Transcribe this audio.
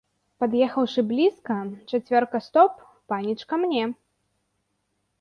Пад'ехаўшы блізка, чацвёрка стоп, паніч ка мне.